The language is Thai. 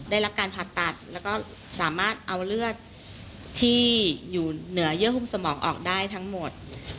ได้รับการผ่าตัดแล้วก็สามารถเอาเลือดที่อยู่เหนือเยื่อหุ้มสมองออกได้ทั้งหมด